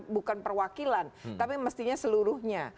bukan perwakilan tapi mestinya seluruhnya